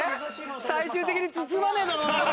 最終的に包まねえだろうな？